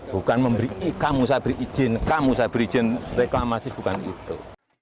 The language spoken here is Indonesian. bukan memberi kamu saja beri izin kamu saja beri izin reklamasi bukan itu